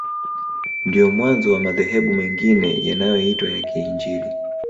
Ndio mwanzo wa madhehebu mengine yanayoitwa ya Kiinjili